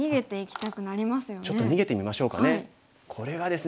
ちょっと逃げてみましょうかね。